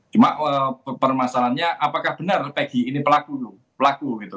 cuma permasalahannya apakah benar peggy ini pelaku